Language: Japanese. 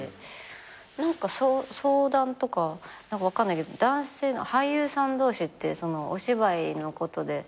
何か相談とか分かんないけど男性の俳優さん同士ってお芝居のことで飲めたりするでしょ。